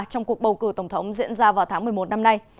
trong cuộc bầu cử tổng thống diễn ra vào tháng một mươi một năm nay